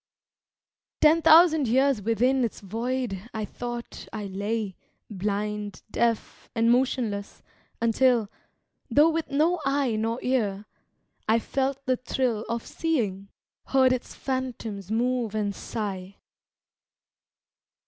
Ten thousand years within its void I thought I lay, blind, deaf, and motionless, until Though with no eye nor ear I felt the thrill Of seeing, heard its phantoms move and sigh.